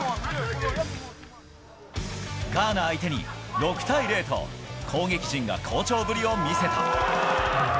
ガーナ相手に６対０と攻撃陣が好調ぶりを見せた。